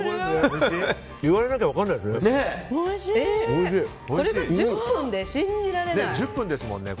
言われなきゃ分からないですね。